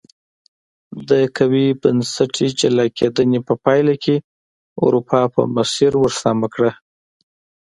د قوي بنسټي جلا کېدنې په پایله کې اروپا په مسیر ور سمه کړه.